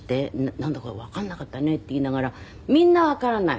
「なんだかわかんなかったね」って言いながらみんなわからない。